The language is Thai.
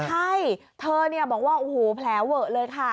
ใช่เธอบอกว่าโอ้โหแผลเวอะเลยค่ะ